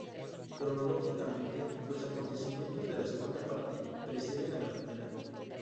Cronológicamente los acontecimientos de la segunda parte preceden a la primera.